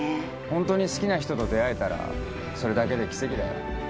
ホントに好きな人と出会えたらそれだけで奇跡だよ